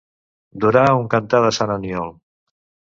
Durar un cantar de sant Aniol.